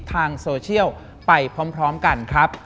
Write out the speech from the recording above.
ทางโซเชียลไปพร้อมกันครับ